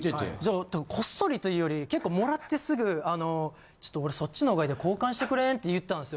こっそりというより結構貰ってすぐ「俺そっちの方がいいんで交換してくれ」って言ったんすよ。